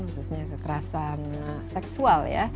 khususnya kekerasan seksual